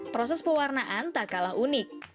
proses pewarnaan tak kalah unik